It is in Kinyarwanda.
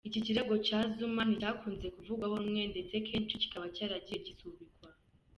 Iki kirego cya Zuma nticyakunze kuvugwaho rumwe ndetse kenshi kikaba cyaragiye gisubikwa.